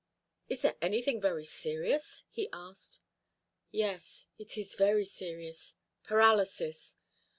"Is there anything very serious?" he asked. "Yes, it is very serious. Paralysis.